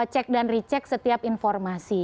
cek dan re cek setiap informasi